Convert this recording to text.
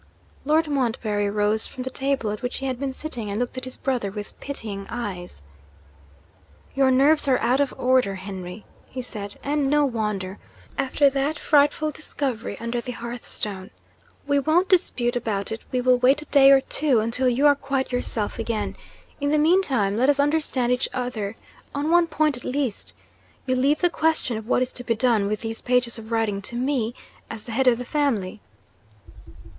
Lord Montbarry rose from the table at which he had been sitting, and looked at his brother with pitying eyes. 'Your nerves are out of order, Henry,' he said. 'And no wonder, after that frightful discovery under the hearth stone. We won't dispute about it; we will wait a day or two until you are quite yourself again. In the meantime, let us understand each other on one point at least. You leave the question of what is to be done with these pages of writing to me, as the head of the family?'